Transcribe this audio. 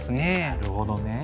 なるほどね。